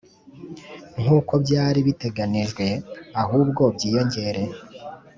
nk uko byari biteganijwe ahubwo byiyongere